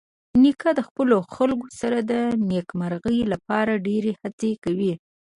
نیکه د خپلو خلکو سره د نیکمرغۍ لپاره ډېرې هڅې کوي.